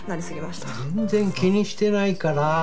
全然気にしてないから！